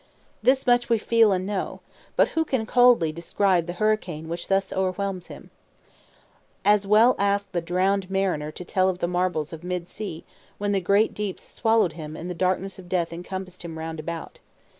This much we feel and know, but who can coldly describe the hurricane which thus o'erwhelms him? As well ask the drowned mariner to tell of the marvels of mid sea when the great deeps swallowed him and the darkness of death encompassed him round about.